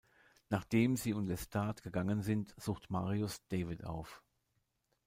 Nachdem sie und Lestat gegangen sind, sucht Marius David auf.